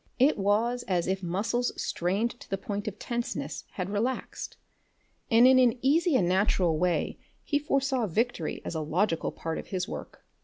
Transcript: It was as if muscles strained to the point of tenseness had relaxed, and in an easy and natural way he foresaw victory as a logical part of his work.